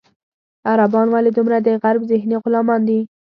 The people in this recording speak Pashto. عربان ولې دومره د غرب ذهني غلامان دي.